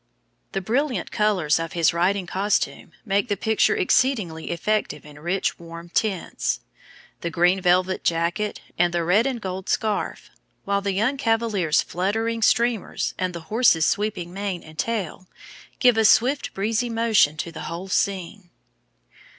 The brilliant colors of his riding costume make the picture exceedingly effective in rich, warm tints, the green velvet jacket and the red and gold scarf, while the young cavalier's fluttering streamers and the horse's sweeping mane and tail give a swift breezy motion to the whole scene.